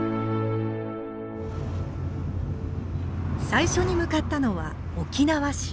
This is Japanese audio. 最初に向かったのは沖縄市。